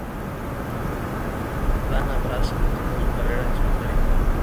Dan Ar Braz continuó su carrera en solitario.